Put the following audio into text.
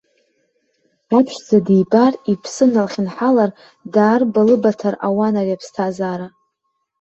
Аԥшӡа дибар, иԥсы налхьынҳалар, даарбалыбаҭар ауан ари аԥсҭазаара.